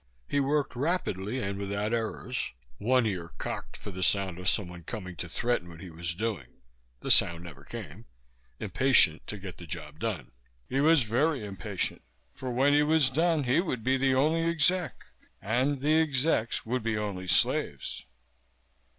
He worked rapidly and without errors, one ear cocked for the sound of someone coming to threaten what he was doing (the sound never came), impatient to get the job done. He was very impatient, for when he was done he would be the only exec. And the execs would be only slaves.